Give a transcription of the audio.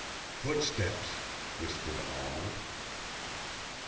"Footsteps!" whispered Almer.